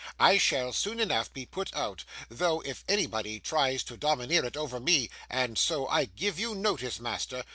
'I shall, soon enough, be put out, though, if anybody tries to domineer it over me: and so I give you notice, master.